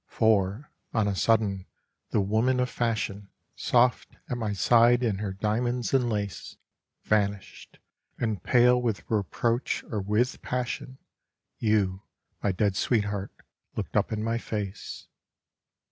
For, on a sudden, the woman of fashion, Soft at my side in her diamonds and lace, Vanished, and pale with reproach or with passion, You, my dead sweetheart, looked up in my face.